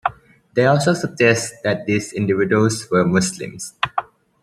They also suggest that these individuals were Muslims.